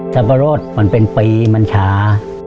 ปะรดมันเป็นปีมันช้า